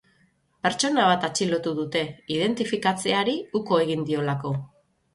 Pertsona bat atxilotu dute, identifikatzeari uko egin diolako.